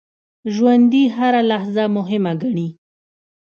ژوندي هره لحظه مهمه ګڼي